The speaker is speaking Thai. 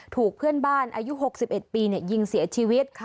ถูกเพื่อนบ้านอายุ๖๑ปียิงเสียชีวิต